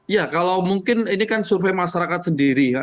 ya kalau mungkin ini kan survei masyarakat sendiri ya